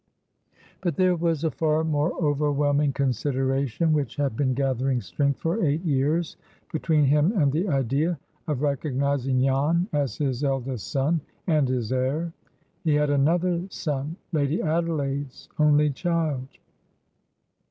But there was a far more overwhelming consideration which had been gathering strength for eight years between him and the idea of recognizing Jan as his eldest son, and his heir. He had another son, Lady Adelaide's only child.